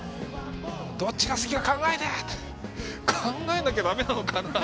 「どっちが好きか考えて」考えなきゃ駄目なのかな？